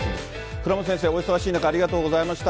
倉持先生、お忙しい中、ありがとうございました。